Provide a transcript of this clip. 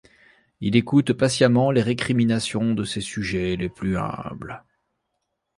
Il écoute patiemment les récriminations de ses sujets les plus humbles.